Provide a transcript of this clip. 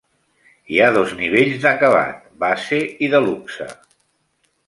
Hi ha dos nivell d'acabat: Base i Deluxe.